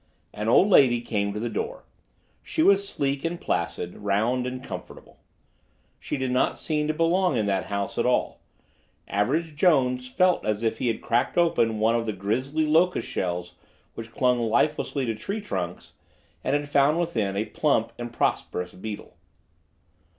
An old lady came to the door. She was sleek and placid, round and comfortable. She did not seem to belong in that house at all. Average Jones felt as if he had cracked open one of the grisly locust shells which cling lifelessly to tree trunks, and had found within a plump and prosperous beetle.